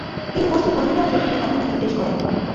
কিন্তু বস্তু কোন দিকে আছে সেটা কখনোই নির্দেশ করে না।